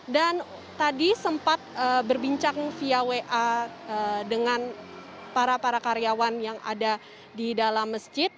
dan tadi sempat berbincang via wa dengan para para karyawan yang ada di dalam masjid